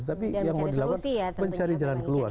tapi yang mau dilakukan mencari jalan keluar